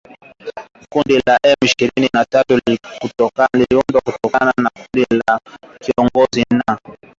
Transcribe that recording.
Kundi la M ishirini na tatu liliundwa kutoka kwa kundi lililokuwa likiongozwa na